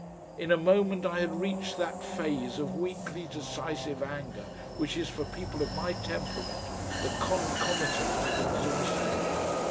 In a moment I had reached that phase of weakly decisive anger which is for people of my temperament the concomitant of exhaustion.